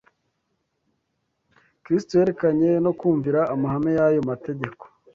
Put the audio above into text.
Kristo yerekanye ko kumvira amahame y’ayo mategeko